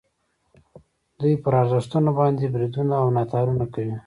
دوی پر ارزښتونو باندې بریدونه او ناتارونه کوي.